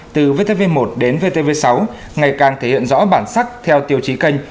từ vtv một đến vtv sáu ngày càng thể hiện rõ bản sắc theo tiêu chí kênh